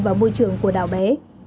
và môi trường của đảo bé